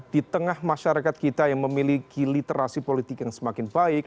di tengah masyarakat kita yang memiliki literasi politik yang semakin baik